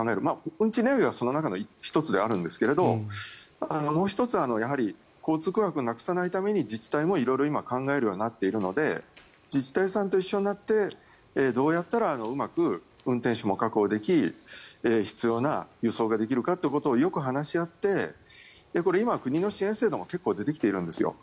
運賃値上げはその中の１つであるんですがもう１つは交通空白をなくさないために自治体も色々今考えるようになっているので自治体さんと一緒になってどうやったらうまく運転手も確保でき必要な輸送ができるかということをよく話し合ってこれ、今、国の支援制度も結構出てきているんですよ。